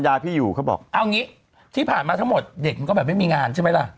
เอาอย่างนี้ที่ผ่านมาทั้งหมดเด็กมันก็แบบไม่มีงานใช่ไหมล่ะ